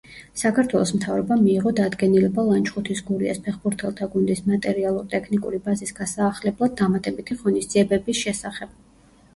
საქართველოს მთავრობამ მიიღო დადგენილება ლანჩხუთის გურიას ფეხბურთელთა გუნდის მატერიალურ-ტექნიკური ბაზის გასაახლებლად დამატებითი ღონისძიებების შესახებ.